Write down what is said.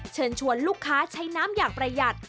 เชิญชวนลูกค้าใช้น้ำอย่างประหยัด